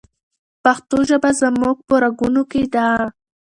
پښتو ژبه زموږ په رګونو کې ده.